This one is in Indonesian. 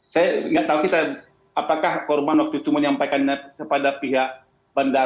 saya nggak tahu kita apakah korban waktu itu menyampaikan kepada pihak bandara